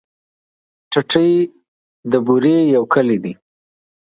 ټټۍ د بوري يو کلی دی.